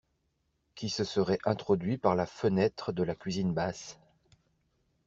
Qui se seraient introduits par la fenêtre de la cuisine basse.